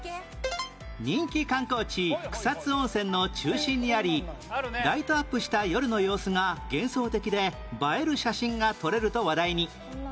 人気観光地草津温泉の中心にありライトアップした夜の様子が幻想的で映える写真が撮れると話題に